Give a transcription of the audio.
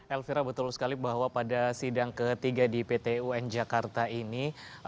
elvira betul sekali bahwa pada sidang ketiga di pt un jakarta ini